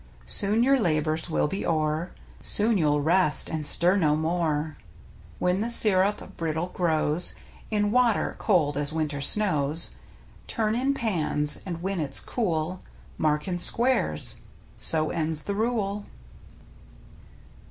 Soon your labors will be o'er, Soon you'll rest and stir no more. i When the sirup brittle grows In water, cold as winter snows. Turn in pans, and when it's cool Mark in squares. So ends the rule.